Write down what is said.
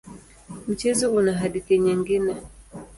Mchezo una hadithi nyingine.